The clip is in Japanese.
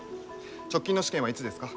直近の試験はいつですか？